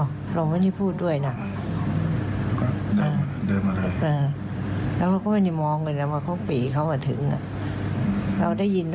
ว่าเขาปี่เขามาถึงเราได้ยินด้วยแหละว่าเสียงพระบอกว่า